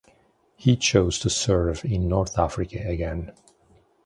He chose to serve in North Africa again.